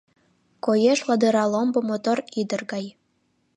Коеш ладыра ломбо мотор ӱдыр гай.